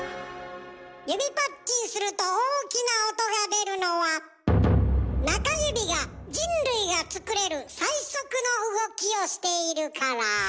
指パッチンすると大きな音が出るのは中指が人類がつくれる最速の動きをしているから。